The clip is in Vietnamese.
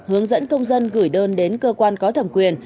hướng dẫn công dân gửi đơn đến cơ quan có thẩm quyền